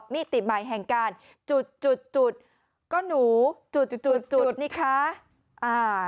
มิติหมายแห่งการจุดก็หนูจุดนี่คะ